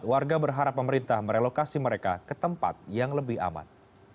warga berharap pemerintah merelokasi mereka ke tempat yang lebih aman